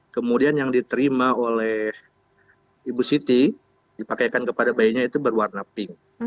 kemudian yang diterima oleh ibu siti dipakaikan kepada bayinya itu berwarna pink